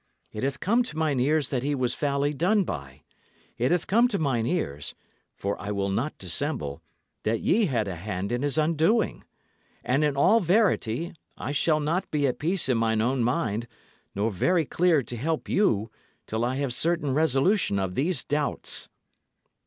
It hath come to mine ears that he was foully done by. It hath come to mine ears for I will not dissemble that ye had a hand in his undoing. And in all verity, I shall not be at peace in mine own mind, nor very clear to help you, till I have certain resolution of these doubts."